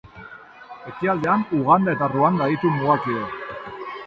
Ekialdean Uganda eta Ruanda ditu mugakide.